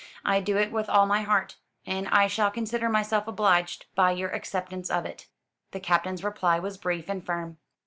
I do it with all my heart; and I shall consider myself obliged by your acceptance of it." The Captain's reply was brief and firm.